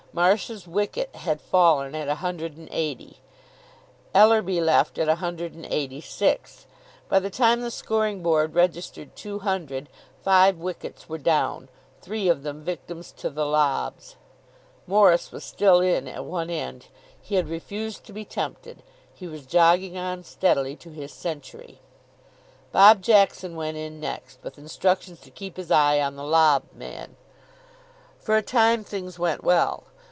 Marsh's wicket had fallen at a hundred and eighty. Ellerby left at a hundred and eighty six. By the time the scoring board registered two hundred, five wickets were down, three of them victims to the lobs. Morris was still in at one end. He had refused to be tempted. He was jogging on steadily to his century. Bob Jackson went in next, with instructions to keep his eye on the lob man. For a time things went well.